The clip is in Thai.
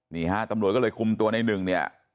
นี่ฮะตำรวจก็เลยคุมตัวในหนึ่งเนี่ย